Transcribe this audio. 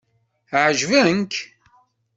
Ɛeǧben-k?